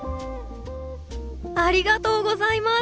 ありがとうございます。